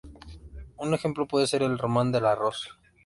Un ejemplo puede ser el "Roman de la Rose".